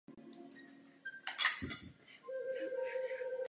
Tato slovesa nemají schopnost vyjádřit přítomnost.